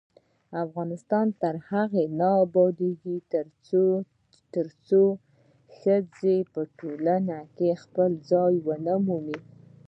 افغانستان تر هغو نه ابادیږي، ترڅو ښځې په ټولنه کې خپل ځای ونه مومي.